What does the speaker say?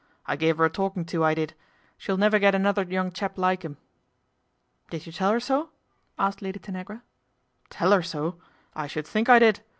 I gave her a talking i to, I did. She'll never get another young chap like 'im." " Did you tell her so ?" asked Lady Tanagra. " Tell her so, I should think I did